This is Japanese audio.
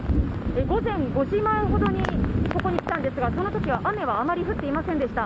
午前５時前にここに来たんですがその時はあまり雨は降っていませんでした。